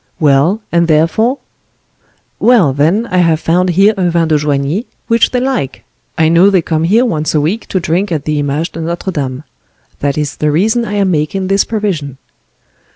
"Well, and therefore?" "Well, then, I have found here a vin de Joigny, which they like. I know they come here once a week to drink at the Image de Notre Dame. That is the reason I am making this provision."